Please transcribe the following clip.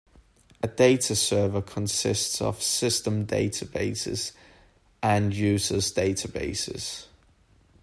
A dataserver consists of system databases and user's databases.